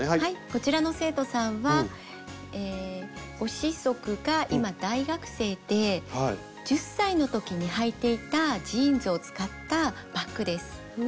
こちらの生徒さんはご子息が今大学生で１０歳の時にはいていたジーンズを使ったバッグです。